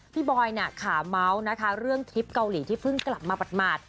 บอยเนี่ยขาเมาส์นะคะเรื่องทริปเกาหลีที่เพิ่งกลับมาหมาด